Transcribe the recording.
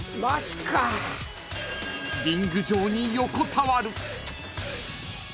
［リング上に横たわる］